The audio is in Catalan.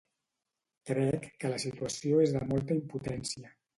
Crec que la situació és de molta impotència.